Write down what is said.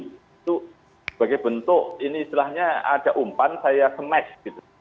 itu sebagai bentuk ini istilahnya ada umpan saya smash gitu